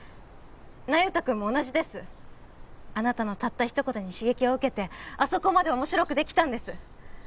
那由他君も同じですあなたのたった一言に刺激を受けてあそこまで面白くできたんです